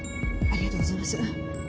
ありがとうございます。